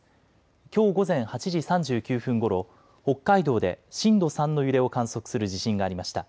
きょう午前８時３９分ごろ、北海道で震度３の揺れを観測する地震がありました。